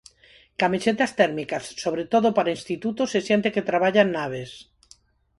Camisetas térmicas, sobre todo para institutos e xente que traballa en naves.